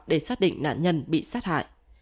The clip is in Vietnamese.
để xác định nạn nhân bị sát hại